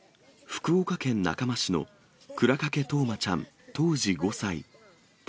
福岡県中間市の倉掛冬生ちゃん当時５歳。